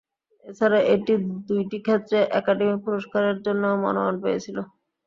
এছাড়া এটি দুইটি ক্ষেত্রে একাডেমি পুরস্কারের জন্য মনোনয়ন পেয়েছিল।